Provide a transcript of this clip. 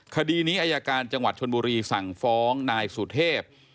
คดีนี้อายการจังหวัดชนบุรีสั่งฟ้องนายสุเทพ